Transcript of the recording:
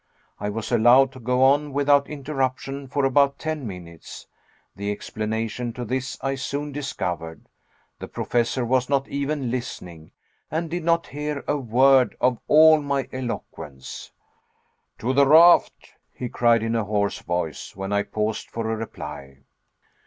I was allowed to go on without interruption for about ten minutes. The explanation to this I soon discovered. The Professor was not even listening, and did not hear a word of all my eloquence. "To the raft!" he cried in a hoarse voice, when I paused for a reply.